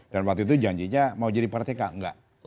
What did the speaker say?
dan waktu itu janjinya mau jadi partai nggak